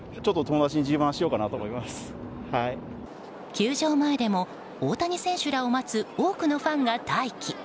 球場前でも大谷選手らを待つ多くのファンが待機。